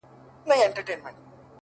ستا د خــولې خـبري يــې زده كړيدي؛